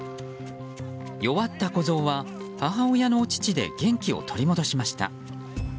弱った子ゾウは母親のお乳で元気を取り戻しました。